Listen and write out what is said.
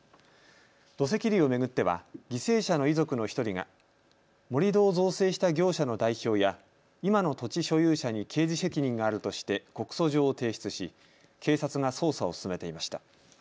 土石流を巡っては犠牲者の遺族の１人が盛り土を造成した業者の代表や今の土地所有者に刑事責任があるとして告訴状を提出し警察が捜査を進めていました。